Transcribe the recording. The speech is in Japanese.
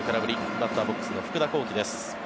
バッターボックスの福田光輝です。